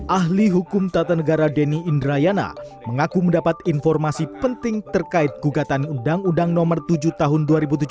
ahli hukum tata negara denny indrayana mengaku mendapat informasi penting terkait gugatan undang undang nomor tujuh tahun dua ribu tujuh belas